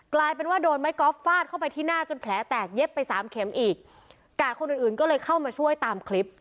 กลายเป็นว่าโดนไม้กอล์ฟฟาดเข้าไปที่หน้าจนแผลแตกเย็บไปสามเข็มอีกกาดคนอื่นอื่นก็เลยเข้ามาช่วยตามคลิป